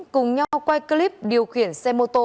cùng nhau quay clip điều khiển xe mô tô